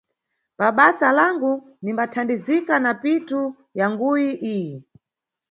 Pabasa langu, nimbathandizika na pitu yanguyi iyi.